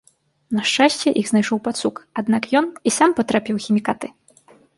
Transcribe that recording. На шчасце, іх знайшоў пацук, аднак ён і сам патрапіў у хімікаты.